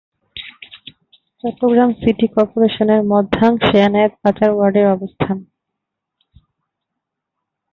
Chittagong city কর্পোরেশনের মধ্যাংশে এনায়েত বাজার ওয়ার্ডের অবস্থান।